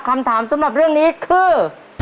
คำถามสำหรับเรื่องนี้คือ